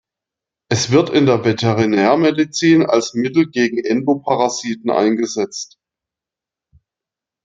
Es wird in der Veterinärmedizin als Mittel gegen Endoparasiten eingesetzt.